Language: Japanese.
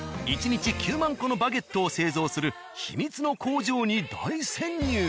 １日９万個のバゲットを製造する秘密の工場に大潜入！